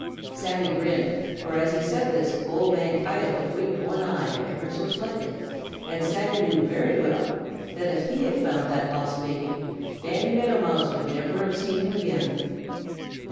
Sammy grinned, for as he said this, Old Man Coyote had winked one eye ever so little, and Sammy knew very well that if he had found that lost baby, Danny Meadow Mouse would never have seen him again.